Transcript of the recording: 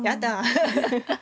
ハハハッ。